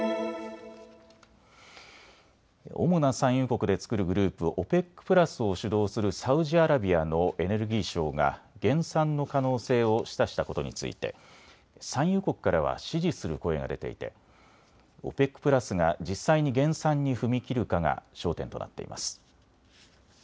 主な産油国で作るグループ、ＯＰＥＣプラスを主導するサウジアラビアのエネルギー相が減産の可能性を示唆したことについて、産油国からは支持する声が出ていてＯＰＥＣプラスが実際に減産に踏み切るかが焦点となっています。